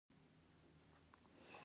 آیا پښتونولي د ژوند لاره نه ده؟